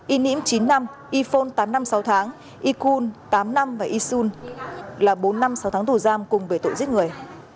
yenim chín năm yifon tám năm sáu tháng yikun tám năm và yishun là bốn năm sáu tháng tù giam cùng với tội giết người